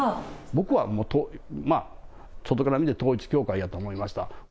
僕は、外から見て統一教会やと思いました。